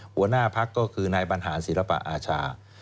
หัวหน้าพักก็คือหน้าบรรหาเสีรสัยภาคอาชา